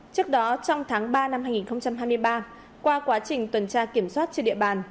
trước đó trong tháng ba năm hai nghìn hai mươi ba qua quá trình tuần tra kiểm soát trên địa bàn